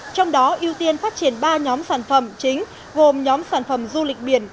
trong đó ưu tiên phát triển ba nhóm sản phẩm chính gồm nhóm sản phẩm du lịch biển